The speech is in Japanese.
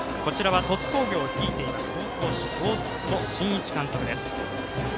鳥栖工業を率いています大坪慎一監督です。